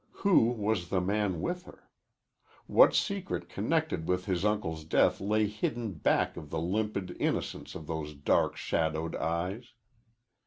Who was the man with her? What secret connected with his uncle's death lay hidden back of the limpid innocence of those dark, shadowed eyes?